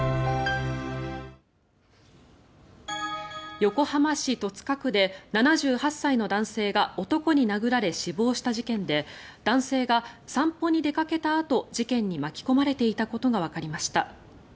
横浜市戸塚区で７８歳の男性が男に殴られ死亡した事件で男性が散歩に出かけたあと事件に巻き込まれていたことがわかりました。